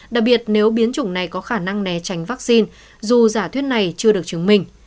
đặc biệt nếu biến chủng này có khả năng né tránh vaccine dù giả thuyết này chưa được chứng minh